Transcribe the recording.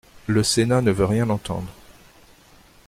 Le sénat ne veut rien entendre.